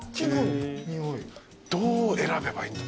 どう選べばいいんだ？